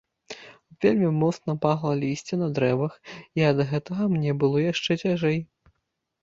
Вельмі моцна пахла лісце на дрэвах, і ад гэтага мне было яшчэ цяжэй.